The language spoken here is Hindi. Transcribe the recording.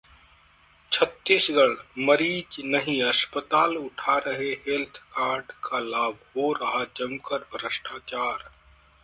छत्तीसगढ़: मरीज नहीं अस्पताल उठा रहे हेल्थ कार्ड का लाभ, हो रहा जमकर भ्रष्टाचार